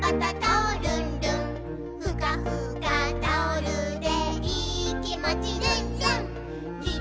「ふかふかタオルでいーきもちルンルン」